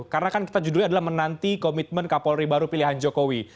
karena kan kita judulnya adalah menanti komitmen kapolri baru pilihan jokowi